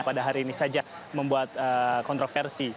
pada hari ini saja membuat kontroversi